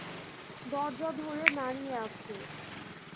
দরজা ধরে দাঁড়িয়ে আছে।